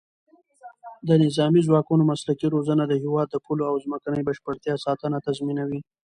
د نظامي ځواکونو مسلکي روزنه د هېواد د پولو او ځمکنۍ بشپړتیا ساتنه تضمینوي.